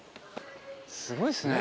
すごいっすね。